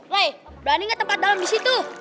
woi berani gak tempat dalem di situ